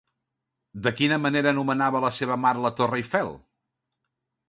De quina manera anomenava la seva mare la Torre Eiffel?